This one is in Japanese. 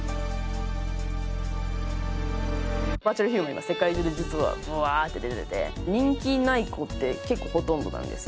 今世界中で実はブワーッて出てて人気ない子って結構ほとんどなんですよ。